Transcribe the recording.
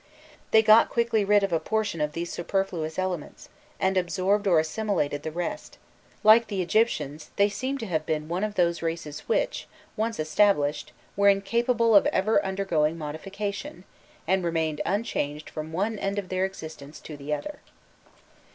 They got quickly rid of a portion of these superfluous elements, and absorbed or assimilated the rest; like the Egyptians, they seem to have been one of those races which, once established, were incapable of ever undergoing modification, and remained unchanged from one end of their existence to the other.